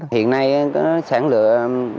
hiện nay có sản lựa